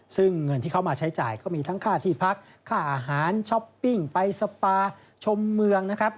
ซึ่งเงินที่เขามาใช้จ่ายก็มีทั้งค่าที่พักค่าอาหารช้อปปิ้งไปสปาชมเมืองนะครับ